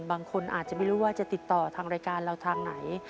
บางคนอาจจะไม่รู้ว่าจะติดต่อทางรายการเราทางไหน